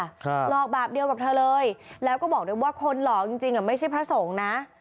หลอกแบบเดียวกับเธอเลยแล้วก็บอกด้วยว่าคนหลอกจริงจริงอ่ะไม่ใช่พระสงฆ์นะ